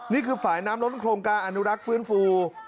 นี่คือฝ่ายน้ำล้นโครงการอนุรักษ์ฟื้นฟู